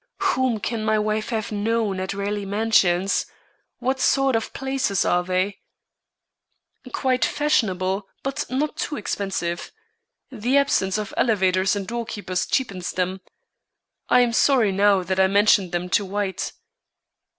"Whom can my wife have known at Raleigh Mansions? What sort of places are they?" "Quite fashionable, but not too expensive. The absence of elevators and doorkeepers cheapens them. I am sorry now that I mentioned them to White."